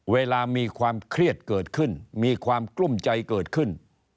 เวลามีความเครียดเกิดขึ้นมีความกลุ้มใจเกิดขึ้น